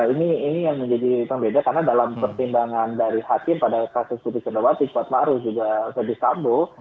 ini yang menjadi yang terbeda karena dalam pertimbangan dari hakim pada kasus putus chandrawati kuat maruf dan fadil sambo